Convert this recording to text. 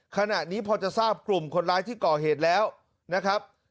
ขณะนี้พอจะทราบกลุ่มคนร้ายที่ก่อเหตุแล้วนะครับ